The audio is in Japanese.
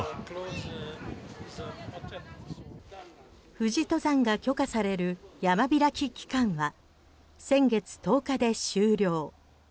富士登山が許可される山開き期間は先月１０日で終了。